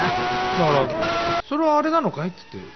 だから「それはあれなのかい？」っていって。